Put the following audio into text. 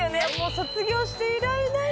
卒業して以来だよ